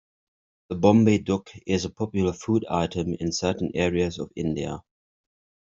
The Bombay duck is a popular food item in certain areas of India.